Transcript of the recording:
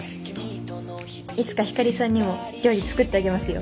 いつかひかりさんにも料理作ってあげますよ。